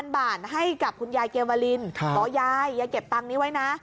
บาทให้กับคุณยายเกวาลินบอกยายยายเก็บตังค์นี้ไว้นะ